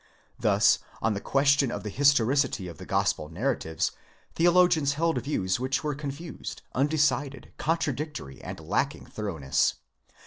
Thus, on the question of the historicity of the gospel narratives, theologians held views which were confused, undecided, contradic tory, and lacking thoroughness.